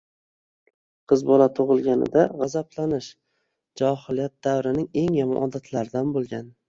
Qiz bola tug‘ilganida g‘azablanish johiliyat davrining eng yomon odatlaridan bo‘lgan.